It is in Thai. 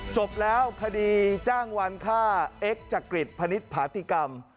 จบแล้วคดีจ้างวาลค่าเอกจักริตพนิษฐ์ผาธิกรรม